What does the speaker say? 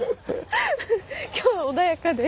今日は穏やかで。